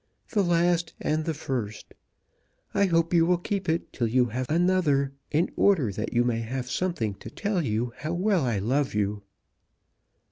The last and the first! I hope you will keep it till you have another, in order that you may have something to tell you how well I love you."